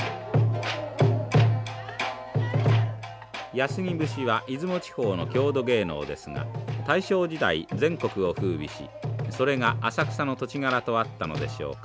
安来節は出雲地方の郷土芸能ですが大正時代全国をふうびしそれが浅草の土地柄と合ったのでしょうか